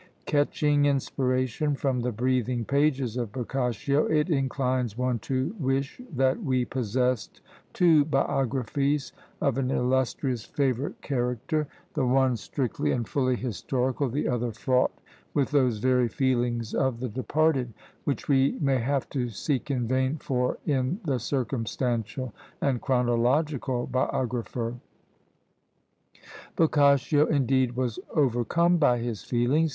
Catching inspiration from the breathing pages of Boccaccio, it inclines one to wish that we possessed two biographies of an illustrious favourite character; the one strictly and fully historical, the other fraught with those very feelings of the departed, which we may have to seek in vain for in the circumstantial and chronological biographer. Boccaccio, indeed, was overcome by his feelings.